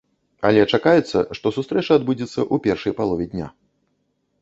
Але чакаецца, што сустрэча адбудзецца ў першай палове дня.